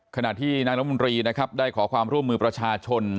ขณะที่นายรมนตรีนะครับได้ขอความร่วมมือประชาชน